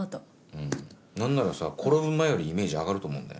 何ならさ転ぶ前よりイメージ上がると思うんだよね。